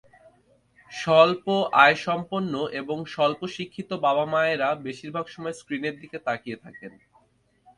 স্বল্প আয়সম্পন্ন এবং স্বল্পশিক্ষিত বাবা-মায়েরা বেশির ভাগ সময় স্ক্রিনের দিকে তাকিয়ে থাকেন।